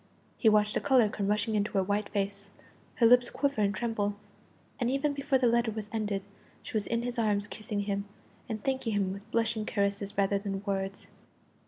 He watched the colour come rushing into her white face, her lips quiver and tremble, and even before the letter was ended she was in his arms kissing him, and thanking him with blushing caresses rather than words.